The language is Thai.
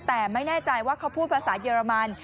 แต่ไม่แน่ใจว่าเขาพูดภาษาเยอรมัน